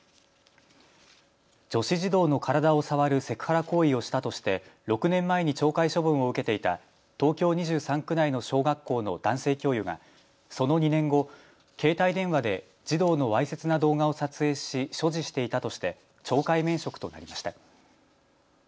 女子児童の体を触るセクハラ行為をしたとして６年前に懲戒処分を受けていた東京２３区内の小学校の男性教諭がその２年後、携帯電話で児童のわいせつな動画を撮影し、所持していたとして懲戒免職となりました。